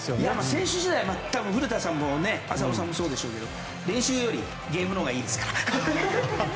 選手時代は古田さんも浅尾さんもそうでしょうけど練習よりゲームのほうがいいですから！